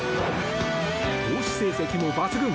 投手成績も抜群。